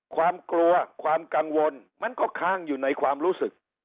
ความกลัวความกังวลมันก็ค้างอยู่ในความรู้สึก